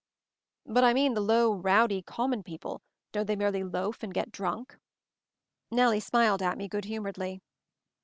"But I mean the low rowdy common peo ple — don't they merely loaf and get drunk?" Nellie smiled at me good humoredly.